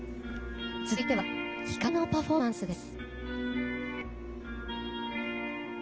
続いては光のパフォーマンスです。